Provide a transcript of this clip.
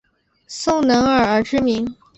宋能尔而知名。